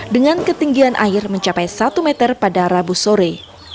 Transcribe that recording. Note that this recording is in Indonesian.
dengan ketinggian air mencapai satu meter pada rabu sore